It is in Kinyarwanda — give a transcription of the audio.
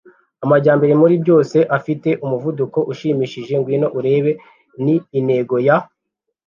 amajyambere muri byose afite umuvuduko ushimishije. « ngwino urebe » ni intego ya